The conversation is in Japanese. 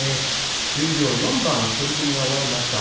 十両４番取組が終わりました。